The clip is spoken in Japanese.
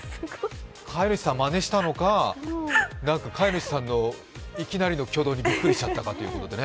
飼い主さんをまねしたのか飼い主さんのいきなりの挙動にびっくりしたのかというね。